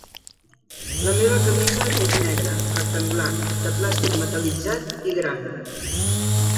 La meva camisa és negra, rectangular, de plàstic metal·litzat i gran.